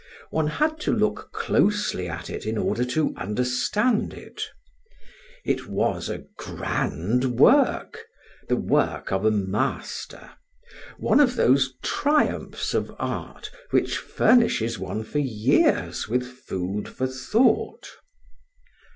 One had to look closely at it in order to understand it. It was a grand work the work of a master one of those triumphs of art which furnishes one for years with food for thought.